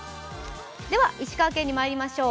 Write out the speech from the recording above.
では、石川県にまいりましょう。